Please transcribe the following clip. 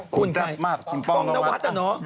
ขุนแทบมากคุณป้องนาวัด